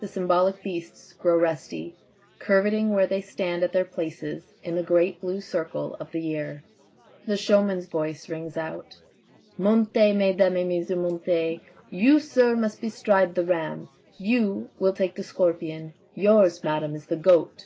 The symboHc beasts grow resty, curveting where they stand at their places in the great blue circle of the year. The Showman's voice rings out. " Montez, mesdames et messieurs, montez. You, sir, must bestride the Ram. You will take the Scorpion. Yours, madame, is the Goat.